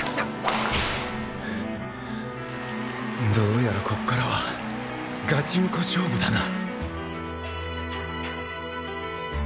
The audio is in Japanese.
どうやらこっからはガチンコ勝負だな